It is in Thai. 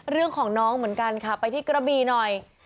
เรื่องของน้องเหมือนกันค่ะไปที่กระบีหน่อย